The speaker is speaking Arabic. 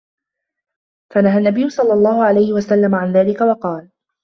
فَنَهَى النَّبِيُّ صَلَّى اللَّهُ عَلَيْهِ وَسَلَّمَ عَنْ ذَلِكَ وَقَالَ